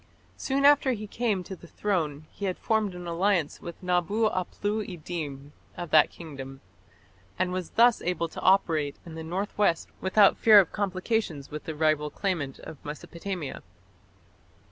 Soon after he came to the throne he had formed an alliance with Nabu aplu iddin of that kingdom, and was thus able to operate in the north west without fear of complications with the rival claimant of Mesopotamia.